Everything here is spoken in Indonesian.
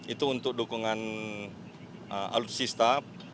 itu untuk dukungan alutsista